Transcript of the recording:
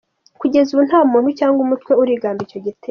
Kugeza ubu nta muntu cyangwa umutwe urigamba icyo gitero.